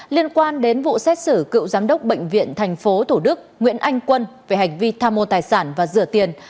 liên quan đến vụ xét xử cựu giám đốc bệnh viện tp thủ đức nguyễn anh quân về hành vi tham mô tài sản và rửa tiền